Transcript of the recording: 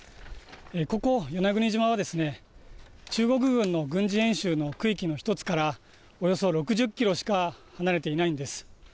ここ与那国島は、中国軍の軍事演習の区域の１つからおよそ６０キロしか離れていないんです。